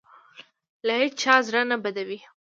له هېچا زړه نه بدوي.